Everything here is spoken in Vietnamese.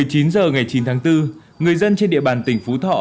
một mươi chín h ngày chín tháng bốn người dân trên địa bàn tỉnh phú thọ